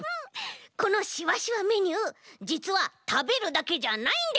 このしわしわメニューじつはたべるだけじゃないんです。